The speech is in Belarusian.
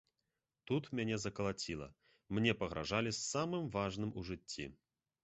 Тут мяне закалаціла, мне пагражалі самым важным у жыцці.